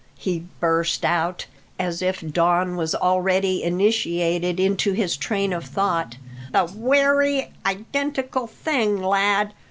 he burst out, as if Don was already initiated into his train of thought, "the wery identical thing, lad.